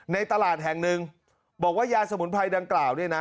ในตลาดแห่งหนึ่งบอกว่ายาสมุนไพรดังกล่าวเนี่ยนะ